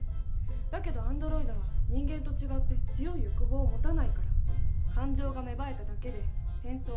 だけどアンドロイドは人間と違って強い欲望を持たないから感情が芽生えただけで戦争を始める事はない。